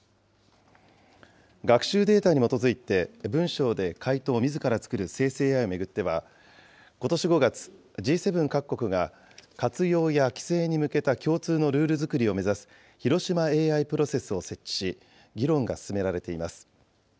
学習データに基づいて、文章で回答をみずから作る生成ＡＩを巡っては、ことし５月、Ｇ７各国が活用や規制に向けた共通のルール作りを目指す、広島ＡＩプロセスを設置し、議論が進められています。